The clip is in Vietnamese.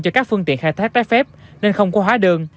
cho các phương tiện khai thác trái phép nên không có hóa đơn